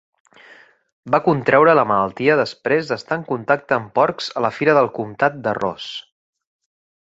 Va contreure la malaltia després d'estar en contacte amb porcs a la fira del comtat de Ross.